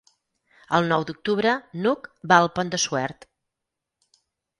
El nou d'octubre n'Hug va al Pont de Suert.